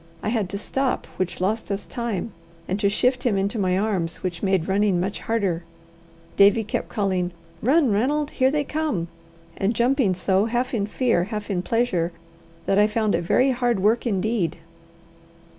I had to stop, which lost us time, and to shift him into my arms, which made running much harder. Davie kept calling, "Run, Ranald! here they come!" and jumping so, half in fear, half in pleasure, that I found it very hard work indeed.